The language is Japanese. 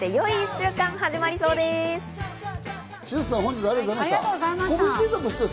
潮田さん、今日はありがとうございました。